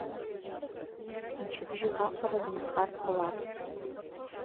Мчыбжьык аҟара дынхар ҟалап.